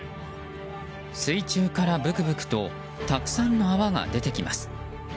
水中からブクブクとたくさんの泡が出てきます。